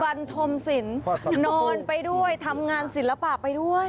วันธมศิลป์นอนไปด้วยทำงานศิลปะไปด้วย